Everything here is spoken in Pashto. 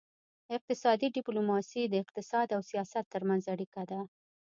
اقتصادي ډیپلوماسي د اقتصاد او سیاست ترمنځ اړیکه ده